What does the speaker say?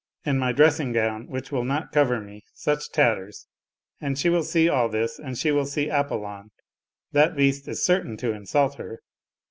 And my dressing gown, which will not cover me, such tatters, and she will see all this and she will see Apollon. That beast is certain to insult her.